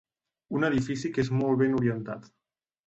Un edifici que és molt ben orientat.